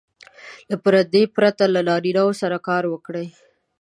له پردې پرته له نارینه وو سره کار وکړي.